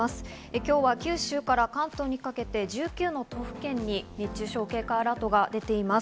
今日は九州から関東にかけて１９の都府県に熱中症警戒アラートが出ています。